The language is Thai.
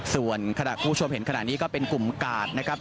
ส่วนขณะคุณผู้ชมเห็นขณะนี้ก็เป็นกลุ่มกาดนะครับ